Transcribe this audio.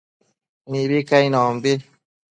Mibi cainonbi